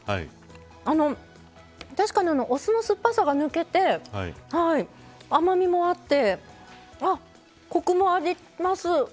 確かに、お酢の酸っぱさが抜けて甘みもあって、コクもあります。